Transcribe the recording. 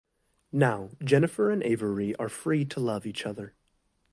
Now, Jennifer and Avery are free to love each other.